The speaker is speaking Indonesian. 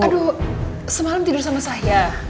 aduh semalam tidur sama saya